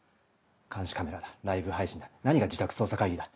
監視カメラだライブ配信だ何が自宅捜査会議だ。